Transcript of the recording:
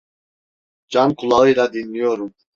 Can kulağıyla dinliyorum.